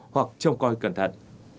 hoặc trông coi cẩn thận